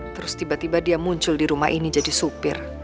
terus tiba tiba dia muncul di rumah ini jadi supir